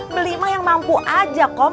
beli mah yang mampu aja kok